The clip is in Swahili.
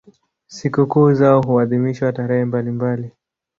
Sikukuu zao huadhimishwa tarehe mbalimbali.